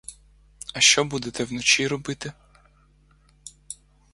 А що будете вночі робити?